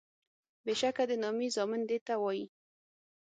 بیشکه د نامي زامن دیته وایي